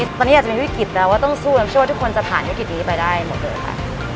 ตอนนี้อาจจะมีวิกฤตเราต้องสู้ช่วยทุกคนจะผ่านวิกฤตนี้ไปได้หมดเลยค่ะ